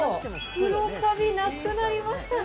黒カビなくなりましたね。